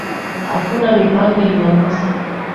hakuna mipango Jumamosi